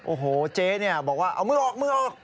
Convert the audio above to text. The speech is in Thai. โอ้โหเจ๊บอกว่าเอามือออก